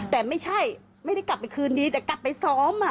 แต่ไม่ใช่ไม่ได้กลับไปคืนดีแต่กลับไปซ้อม